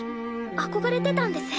憧れてたんです。